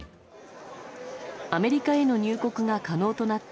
アメリカへの入国が可能となった